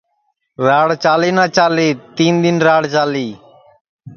راڑ چالی نہ چالی تین دؔن راڑ چالی